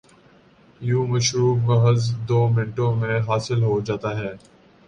یوں مشروب محض دومنٹوں میں حاصل ہوجاتا ہے۔